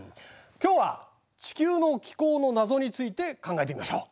今日は地球の気候の謎について考えてみましょう。